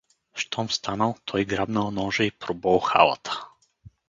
Щом станал, той грабнал ножа и пробол халата.